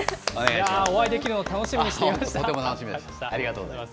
お会いできるのを楽しみにしていとても楽しみです。